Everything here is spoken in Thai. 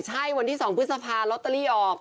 ใช่วันที่๒พฤษภาลอตเตอรี่ออก